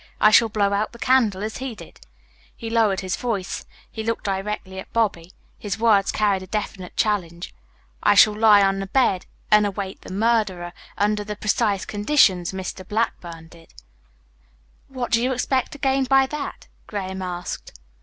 I shall blow out the candle as he did." He lowered his voice. He looked directly at Bobby. His words carried a definite challenge. "I shall lie on the bed and await the murderer under the precise conditions Mr. Blackburn did." "What do you expect to gain by that?" Graham asked.